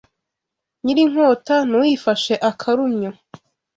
Nyirinkota ni uyifashe akarumyo